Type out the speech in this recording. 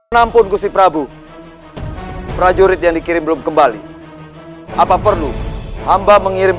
nampun kursi prabu prajurit yang dikirim belum kembali apa perlu hamba mengirim